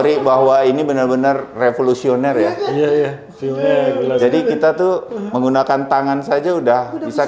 teri bahwa ini benar benar revolusioner ya jadi kita tuh menggunakan tangan saja udah bisa